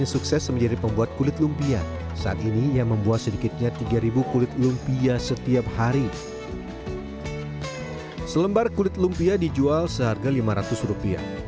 selembar kulit lumpia dijual seharga lima ratus rupiah